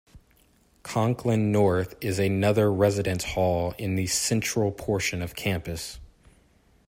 Conklin North is another residence hall in the central portion of campus.